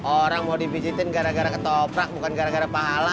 orang mau dipijitin gara gara ketoprak bukan gara gara pahala